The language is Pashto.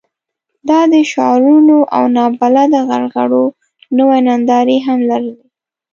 دا د شعارونو او نابلده غرغړو نوې نندارې هم لرلې.